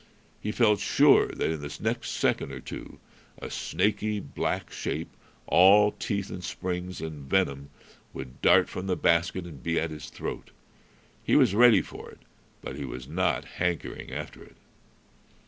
He felt sure that in the next second or two a snaky black shape, all teeth and springs and venom, would dart from the basket and be at his throat. He was ready for it, but he was not hankering after it.